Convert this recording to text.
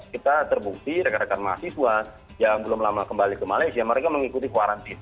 kita terbukti rekan rekan mahasiswa yang belum lama kembali ke malaysia mereka mengikuti kuarantina